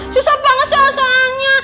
susah banget selesainya